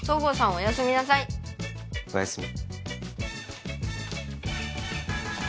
おやすみなさいおやすみ